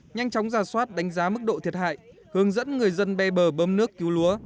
nhanh chóng ra soát đánh giá mức độ thiệt hại hướng dẫn người dân bê bờ bơm nước cứu lúa